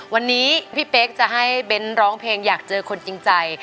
วันนี้พี่เป๊กจะให้เบ้นร้องเพลงอยากเจอคนจริงใจ